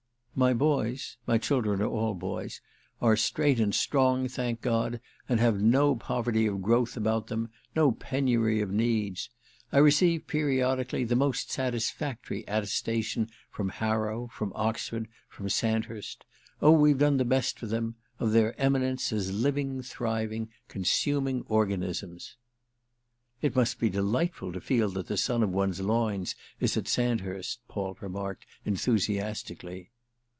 My boys—my children are all boys—are straight and strong, thank God, and have no poverty of growth about them, no penury of needs. I receive periodically the most satisfactory attestation from Harrow, from Oxford, from Sandhurst—oh we've done the best for them!—of their eminence as living thriving consuming organisms." "It must be delightful to feel that the son of one's loins is at Sandhurst," Paul remarked enthusiastically.